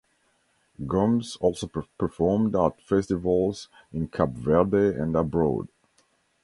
Gomes also performed at festivals in Cape Verde and abroad.